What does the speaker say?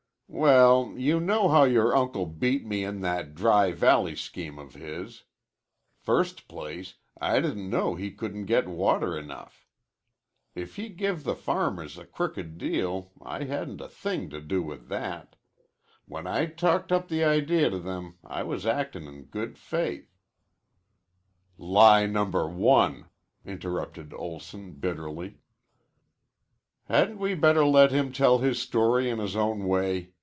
"Well, you know how yore uncle beat me in that Dry Valley scheme of his. First place, I didn't know he couldn't get water enough. If he give the farmers a crooked deal, I hadn't a thing to do with that. When I talked up the idea to them I was actin' in good faith." "Lie number one," interrupted Olson bitterly. "Hadn't we better let him tell his story in his own way?"